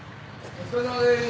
お疲れさまでした。